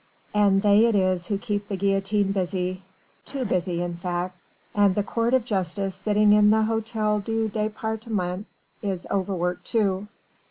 And they it is who keep the guillotine busy. Too busy in fact. And the court of justice sitting in the Hôtel du Département is overworked too.